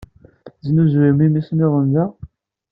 Tesnuzuyem imsisemḍen da?